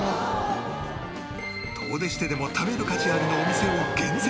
遠出してでも食べる価値ありのお店を厳選！